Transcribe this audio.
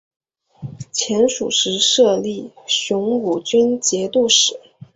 前蜀时设立雄武军节度使。